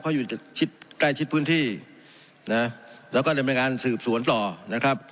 เขาอยู่ชิดใกล้ชิดพื้นที่นะแล้วก็ดำเนินการสืบสวนต่อนะครับ